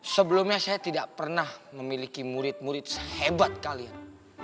sebelumnya saya tidak pernah memiliki murid murid sehebat kalian